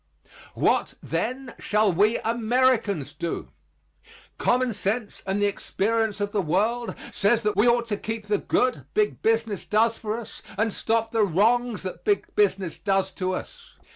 What, then, shall we Americans do? Common sense and the experience of the world says that we ought to keep the good big business does for us and stop the wrongs that big business does to us.